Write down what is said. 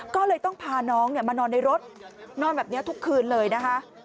ก็เลยต้องพาน้องมานอนในรถนอนแบบนี้ทุกคืนเลยนะคะ